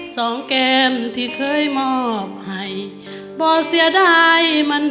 ส่องแก่มที่เคยมอบให้